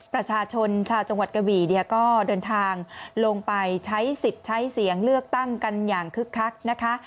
ประชาชนชาวจังหวัดกะบี่เนี่ยก็เดินทางลงไปใช้สิทธิ์ใช้เสียงเลือกตั้งกันอย่างคึกคักนะคะ